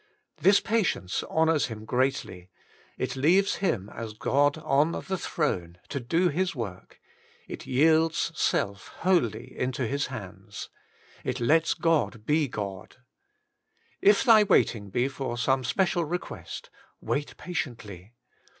This patience honours Him greatly ; it leaves Him, as God on the throne, to do His work; it yields self wholly into His hands. It lets God be God. If thy waiting be for some special request, wait patiently.